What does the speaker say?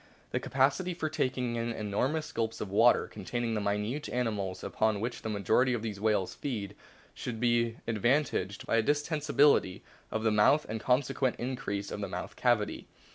The capacity for taking in enormous gulps of water containing the minute animals upon which the majority of these whales feed would be advantaged by a distensibility of the mouth, and a consequent increase in size of the mouth cavity.